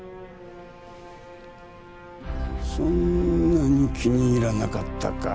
そんなに気に入らなかったか？